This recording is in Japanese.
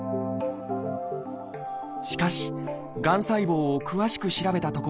しかしがん細胞を詳しく調べたところ